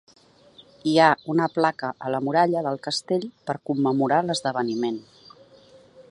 Hi ha una placa a la muralla del castell per commemorar l'esdeveniment.